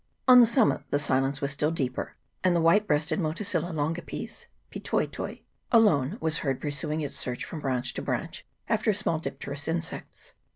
On the summit the silence was still deeper, and the white breasted motacilla longipes (Pitoitoi) alone was heard pursuing its search from branch to branch after small dipterous insects.